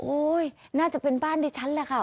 น่าจะเป็นบ้านดิฉันแหละค่ะ